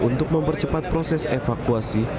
untuk mempercepat proses evakuasi